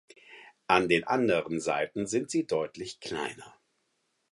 An den anderen Seiten sind sie deutlich kleiner.